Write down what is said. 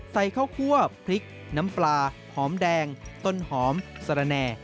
ใส่ข้าวคั่วพริกน้ำปลาหอมแดงต้นหอมสระแน่